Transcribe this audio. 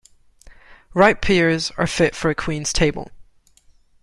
Ripe pears are fit for a queen's table.